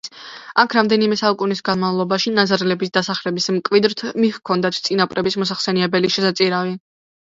აქ რამდენიმა საუკუნის განმავლობაში ნაზარლების დასახლების მკვიდრთ მიჰქონდათ წინაპრების მოსახსენიებელი შესაწირავი.